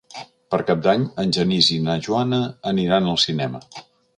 Per Cap d'Any en Genís i na Joana aniran al cinema.